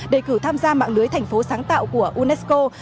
đề cử tham gia mạng lưới thành phố sáng tạo của unesco